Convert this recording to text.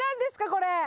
これ。